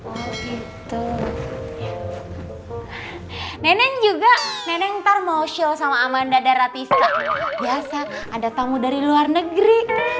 oh gitu neneng juga ntar mau show sama amanda dan ratifka biasa ada tamu dari luar negeri